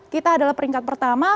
kita adalah peringkat pertama